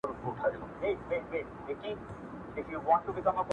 د ارزښتونو سره توپير لري